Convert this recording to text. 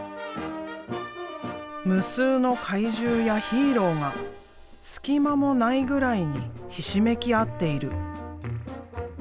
無数の怪獣やヒーローが隙間もないぐらいにひしめき合っている。